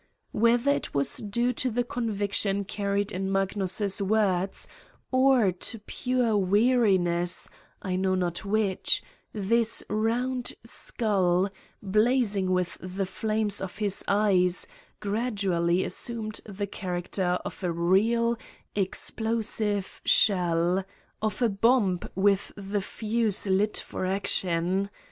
Whether it was due to the conviction carried in Magnus' words, or to pure weariness I know not which this round skull, blazing with the flames of his eyes, gradually assumed the character of a real, ex plosive shell, of a bomb, with the fuse lit for ac tion.